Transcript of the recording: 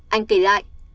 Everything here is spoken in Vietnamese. anh kể lại